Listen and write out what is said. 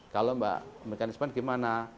kalau mereka respon gimana